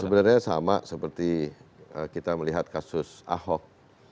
sebenarnya sama seperti kita melihat kasus ahok